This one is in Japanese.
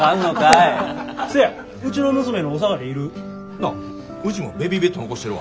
あっうちもベビーベッド残してるわ。